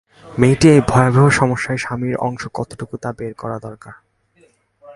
মেয়েটির এই ভয়াবহ সমস্যায় স্বামীর অংশ কতটুক তা বের করা দরকার।